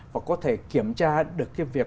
và có thể kiểm tra được cái việc